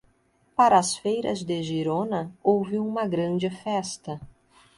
Para as feiras de Girona, houve uma grande festa.